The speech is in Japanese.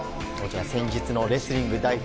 先日のレスリング代表